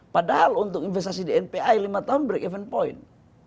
padahal untuk investasi di npi lima tahun break even point